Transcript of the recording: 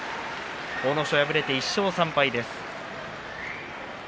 阿武咲、敗れて１勝３敗です。